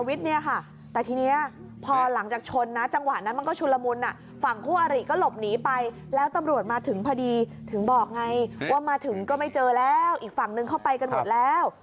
อีกฝั่งนึงเข้าไปกันหมดแล้ว